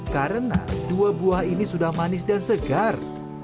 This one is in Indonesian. karena dua buah ini sudah manis dan segar